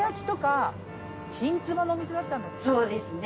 そうですね。